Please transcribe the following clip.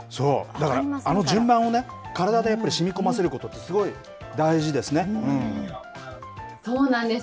だからあの順番をね、体でやっぱりしみこませることって、すそうなんです。